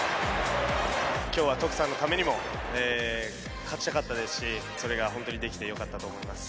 今日は徳さんのためにも勝ちたかったですしそれが本当にできてよかったと思います。